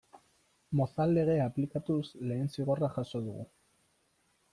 Mozal Legea aplikatuz lehen zigorra jaso dugu.